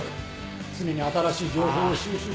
常に新しい情報を収集し。